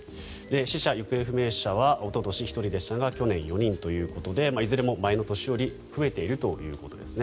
死者・行方不明者はおととし１人でしたが去年４人ということでいずれも前の年より増えているということです。